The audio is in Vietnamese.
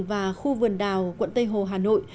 và khu vườn đào quận tây hồ hà nội